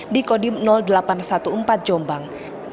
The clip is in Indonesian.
di kodim delapan ratus empat belas jombang